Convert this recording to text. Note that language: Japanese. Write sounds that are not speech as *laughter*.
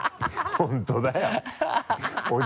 本当だよ *laughs*